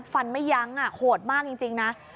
ฟันไม่ยั้งโหดมากจริงนะ